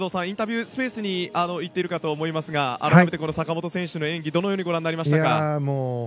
インタビュースペースに行っているかと思いますが改めて、坂本選手の演技どのようにご覧になりましたか？